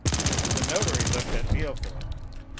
The notary looked at Villefort.